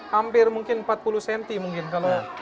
hampir mungkin empat puluh cm mungkin kalau